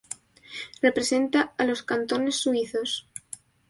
Representa a los cantones suizos.